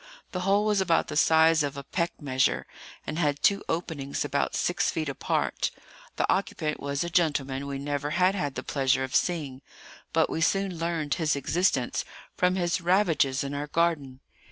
The hole was about the size of a peck measure, and had two openings about six feet apart. The occupant was a gentleman we never had had the pleasure of seeing, but we soon learned his existence from his ravages in our garden.